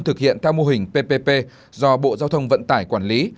thực hiện theo mô hình ppp do bộ giao thông vận tải quản lý